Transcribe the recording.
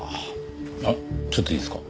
あっちょっといいですか？